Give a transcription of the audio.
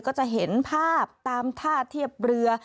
ก็จะเห็นภาพตามท่าเทียบเรือ